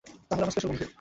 রাহুল আমার স্পেশাল বন্ধু।